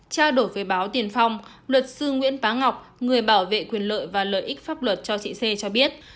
trao đổi với báo tiền phong luật sư nguyễn phá ngọc người bảo vệ quyền lợi và lợi ích pháp luật cho trị xê cho biết